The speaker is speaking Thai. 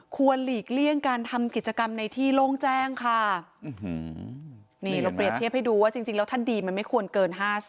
หลีกเลี่ยงการทำกิจกรรมในที่โล่งแจ้งค่ะนี่เราเปรียบเทียบให้ดูว่าจริงแล้วถ้าดีมันไม่ควรเกิน๕๐